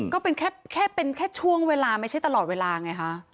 ก็เป็นแค่เป็นแค่ช่วงเวลาไม่ใช่ตลอดเวลาไงคะ